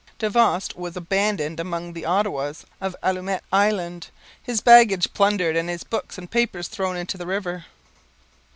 Davost was abandoned among the Ottawas of Allumette Island, his baggage plundered and his books and papers thrown into the river.